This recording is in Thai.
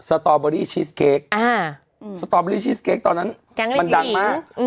สตอร์เบอร์รี่ชีสเค้กอ่าสตอร์เบอร์รี่ชีสเค้กตอนนั้นมันดังมาอืม